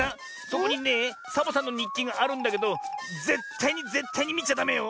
そこにねえサボさんのにっきがあるんだけどぜったいにぜったいにみちゃダメよ。